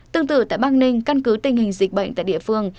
tương tự tại bắc ninh căn cứ tình hình dịch bệnh tại địa phương